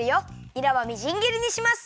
にらはみじんぎりにします。